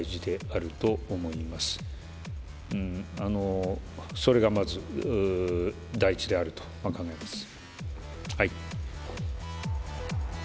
あのー、それがまず大事であると考えます。